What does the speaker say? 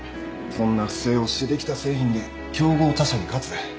そんな不正をしてできた製品で競合他社に勝つ